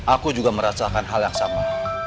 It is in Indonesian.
aku juga merasakan hal yang sama